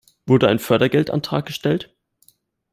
Wurde ein Fördergeldantrag gestellt?